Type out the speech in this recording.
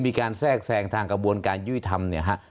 แทรกแทรงทางกระบวนการยุติธรรมเนี่ยฮะ